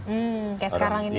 kayak sekarang ini ya